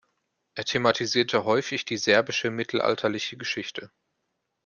Er thematisierte häufig die serbische mittelalterliche Geschichte.